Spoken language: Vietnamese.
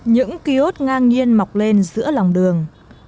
những kios ngang nhiên mọc lên giữa lòng đường